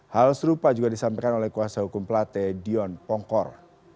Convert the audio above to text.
hal serupa juga disampaikan oleh kuasa hukum plate dion pongkor